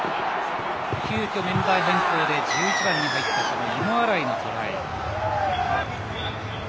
急きょメンバー変更で１１番に入った一口のトライ。